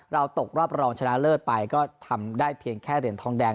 เราตกรอบรองชนะเลิศไปก็ทำได้เพียงแค่เหรียญทองแดง